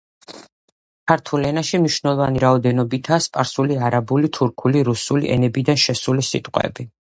ქართულ ენაში მნიშვნელოვანი რაოდენობითაა სპარსული, არაბული, თურქული, რუსული ენებიდან შესული სიტყვები.